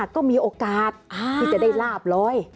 ก็มีโอกาสจะได้ราบเลย